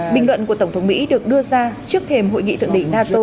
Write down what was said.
bình luận của tổng thống mỹ được đưa ra trước thềm hội nghị thượng đỉnh nato